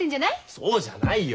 そうじゃないよ。